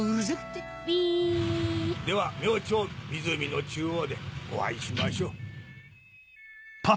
では明朝湖の中央でお会いしましょう。